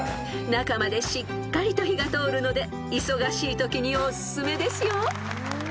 ［中までしっかりと火が通るので忙しいときにおすすめですよ］